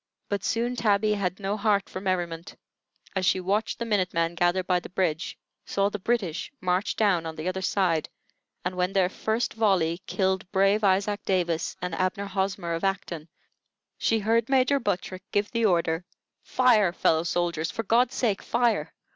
But soon Tabby had no heart for merriment, as she watched the minute men gather by the bridge, saw the British march down on the other side, and when their first volley killed brave Isaac Davis and Abner Hosmer, of Acton, she heard Major Buttrick give the order, "Fire, fellow soldiers; for God's sake, fire!"